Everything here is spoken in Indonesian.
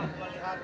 maik maik maik